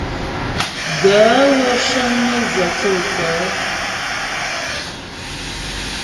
Gaə̌ wə́ cə́ŋ nə́ və tsô tsaə̌.